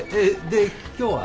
で今日は？